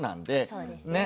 そうですね。